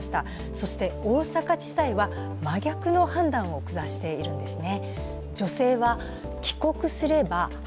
そして大阪地裁は真逆の判断を下しているんですね。